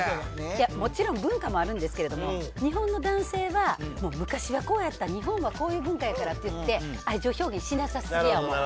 いや、もちろん文化もあるんですけれども、日本の男性は、昔はこうやった、日本はこういう文化やからって言って、愛情表現しなさすぎやもん。